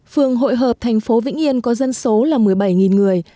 phường hội hợp tp vĩnh yên có dân số là một mươi bảy người